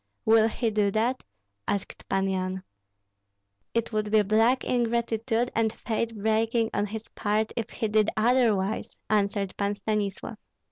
"Will he do that?" asked Pan Yan. "It would be black ingratitude and faith breaking on his part if he did otherwise," answered Pan Stanislav.